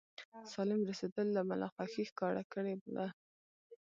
سالم رسېدلو له امله خوښي ښکاره کړې وه.